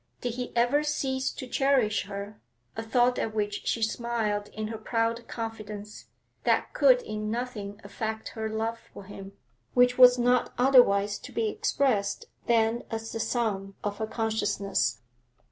Did he ever cease to cherish her a thought at which she smiled in her proud confidence that could in nothing affect her love for him, which was not otherwise to be expressed than as the sum of her consciousness....